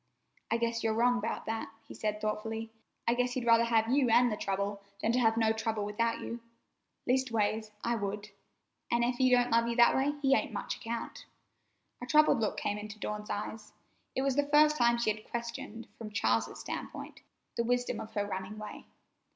"I guess you're wrong 'bout that," he said thoughtfully. "I guess he'd rather have you an' the trouble, than to have no trouble without you. Leastways, I would, an' ef he don't love you that way, he ain't much account." A troubled look came into Dawn's eyes. It was the first time she had questioned, from Charles's standpoint, the wisdom of her running way.